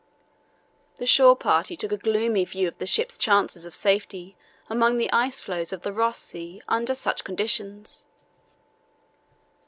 The shore party took a gloomy view of the ship's chances of safety among the ice floes of the Ross Sea under such conditions.